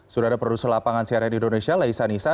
sudara produser lapangan siaran indonesia laisa nisa